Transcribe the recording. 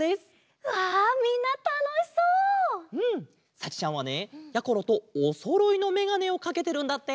さちちゃんはねやころとおそろいのめがねをかけてるんだって！